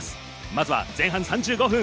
まずは前半３５分。